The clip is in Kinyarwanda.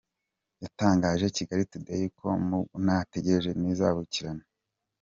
Yatangaije Kigali Today ko nubwo nta tegeko rizabakurikirana, abaturanyi nabo bakwiye kubegera bakabagira inama.